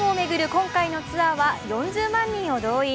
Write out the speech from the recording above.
今回のツアーは４０万人を動員。